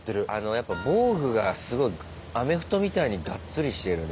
やっぱ防具がすごいアメフトみたいにがっつりしてるね。